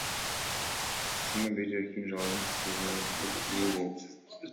Ошондон бери рохинжаларды куугунтуктоо токтобой келет.